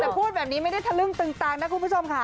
แต่พูดแบบนี้ไม่ได้ทะลึ่งตึงตังนะคุณผู้ชมค่ะ